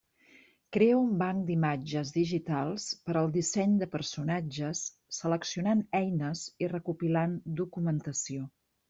Crea un banc d'imatges digitals per al disseny de personatges seleccionant eines i recopilant documentació.